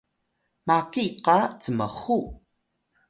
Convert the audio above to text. maki qa cmxu